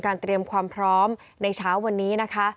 เตรียมความพร้อมในเช้าวันนี้นะคะ